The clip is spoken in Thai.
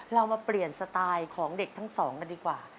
เรามาเปลี่ยนสไตล์ของเด็กทั้งสองกันดีกว่า